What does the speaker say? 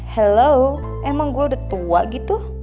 halo emang gue udah tua gitu